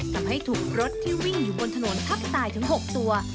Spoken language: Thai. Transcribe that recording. ทำให้ถูกรถที่วิ่งอยู่บนถนนทับตายถึง๖ตัว